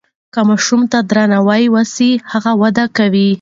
که ماشوم ته درناوی وسي هغه وده کوي.